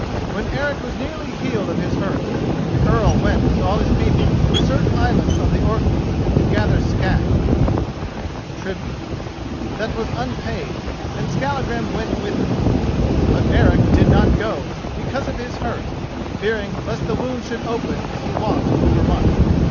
When Eric was nearly healed of his hurt, the Earl went with all his people to a certain island of the Orkneys to gather scat[*] that was unpaid, and Skallagrim went with him. But Eric did not go, because of his hurt, fearing lest the wound should open if he walked overmuch.